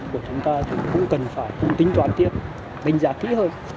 thì chúng ta cũng cần phải tính toàn tiết đánh giá kỹ hơn